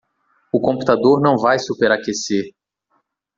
O computador não vai superaquecer